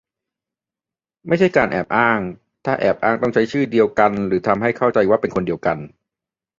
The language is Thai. ไม่ใช่การแอบอ้าง - ถ้าแอบอ้างต้องใช้ชื่อเดียวกันหรือทำให้เข้าใจว่าเป็นคนเดียวกัน